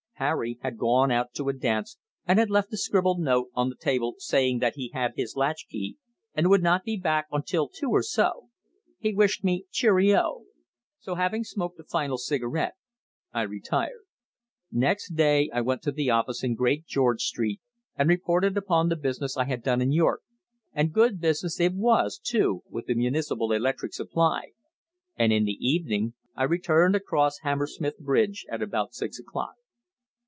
Harry had gone out to a dance, and had left a scribbled note on the table saying that he had his latchkey and would not be back until two or so. He wished me "cheerio." So having smoked a final cigarette I retired. Next day I went to the office in Great George Street and reported upon the business I had done in York and good business it was, too, with the Municipal Electric Supply and in the evening I returned across Hammersmith Bridge at about six o'clock.